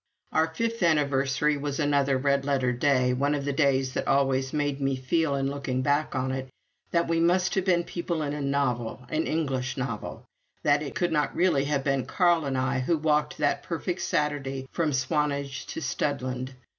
Our fifth anniversary was another red letter day one of the days that always made me feel, in looking back on it, that we must have been people in a novel, an English novel; that it could not really have been Carl and I who walked that perfect Saturday from Swanage to Studland.